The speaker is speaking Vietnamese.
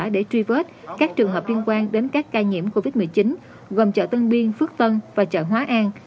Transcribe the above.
để truy vết các trường hợp liên quan đến các ca nhiễm covid một mươi chín gồm chợ tân biên phước tân và chợ hóa an